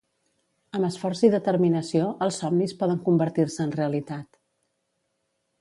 Amb esforç i determinació, els somnis poden convertir-se en realitat.